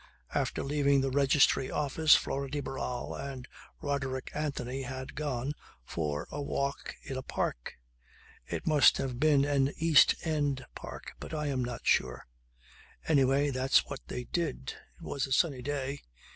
After leaving the Registry Office Flora de Barral and Roderick Anthony had gone for a walk in a park. It must have been an East End park but I am not sure. Anyway that's what they did. It was a sunny day.